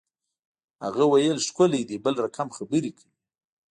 هغه ویل ښکلی دی بل رقم خبرې کوي